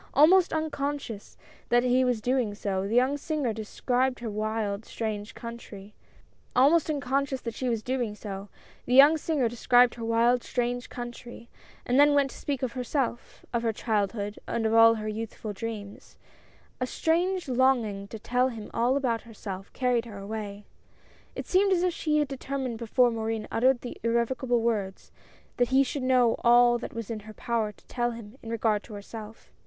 Almost unconscious that she was doing so, the young singer described her wild, strange country, and then went on to speak of herself, of her childhood, and of all her youthful dreams. A strange longing to tell him all about herself, carried her away. It seemed as if she had determined before Morin uttered the irrevocable words, that he should know all that was in her power to tell him in regard to herself.